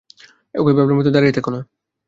ওখানে ভ্যাবলার মতো দাঁড়িয়ে থেকো না!